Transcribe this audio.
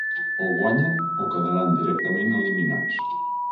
O guanyen o quedaran directament eliminats.